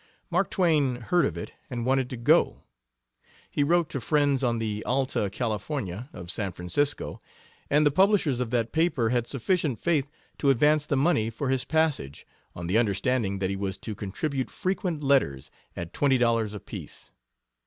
Mark Twain heard of it and wanted to go. He wrote to friends on the 'Alta California,' of San Francisco, and the publishers of that paper had sufficient faith to advance the money for his passage, on the understanding that he was to contribute frequent letters, at twenty dollars apiece.